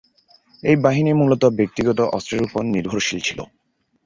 এই বাহিনী মূলত ব্যক্তিগত অস্ত্রের উপর নির্ভরশীল ছিল।